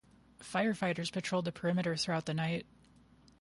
Firefighters patrolled the perimeter throughout the night.